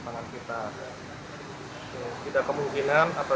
ini adalah perusahaan yang sangat penting untuk pemasangan kita